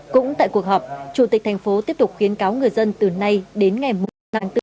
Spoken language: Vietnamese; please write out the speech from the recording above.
cũng tại cuộc họp chủ tịch thành phố tiếp tục khuyến cáo người dân từ nay đến ngày một tháng bốn